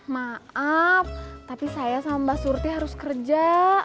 maaf tapi saya sama mbak surti harus kerja